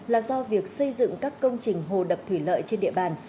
là do việc xây dựng các công trình hồ đập thủy lợi trên địa bàn